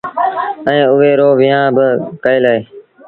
ائيٚݩ اُئي رو ويٚنهآݩ با ڪئيٚل اهي